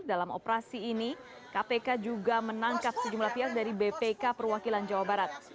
dalam operasi ini kpk juga menangkap sejumlah pihak dari bpk perwakilan jawa barat